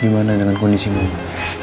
gimana dengan kondisi mama